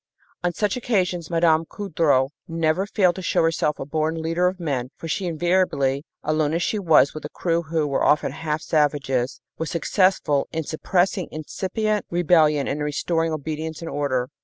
On such occasions Mme. Coudreau never failed to show herself a born leader of men, for she invariably alone as she was with a crew who were often half savages was successful in suppressing incipient rebellion and in restoring obedience and order.